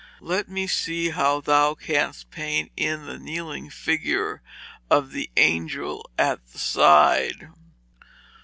Let me see how thou canst paint in the kneeling figure of the angel at the side.'